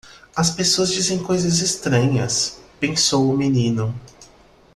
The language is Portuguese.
As pessoas dizem coisas estranhas, pensou o menino.